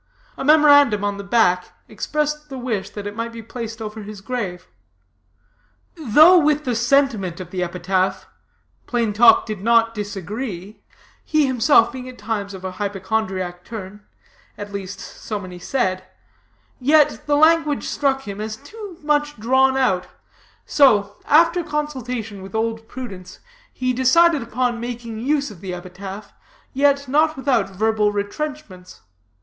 A memorandum on the back expressed the wish that it might be placed over his grave. Though with the sentiment of the epitaph Plain Talk did not disagree, he himself being at times of a hypochondriac turn at least, so many said yet the language struck him as too much drawn out; so, after consultation with Old Prudence, he decided upon making use of the epitaph, yet not without verbal retrenchments.